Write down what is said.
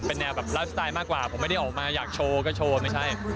เป็นแนวแบบไลฟ์สไตล์มากกว่าผมไม่ได้ออกมาอยากโชว์ก็โชว์ไม่ใช่